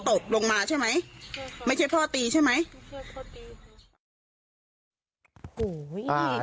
ตกลงมาใช่ไหมใช่ครับไม่ใช่พ่อตีใช่ไหมไม่ใช่พ่อตี